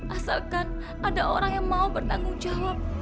asalkan ada orang yang mau bertanggung jawab